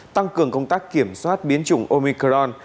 tăng cường công tác kiểm soát biến chủng omicron